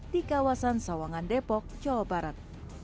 di kawasan sawangan depok jawa barat